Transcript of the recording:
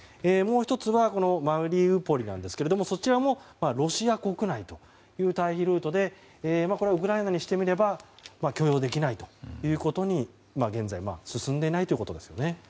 もう１つはマリウポリなんですけどそちらもロシア国内という退避ルートでウクライナにしてみれば許容できないということに現在、進んでいないということです。